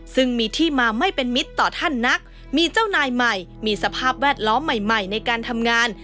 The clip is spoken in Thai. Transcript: ซึ่งมีที่มาไม่เป็นมิตรต่อท่านนักมีเจ้านายใหม่มีสภาพแวดล้อมใหม่ในการทำงาน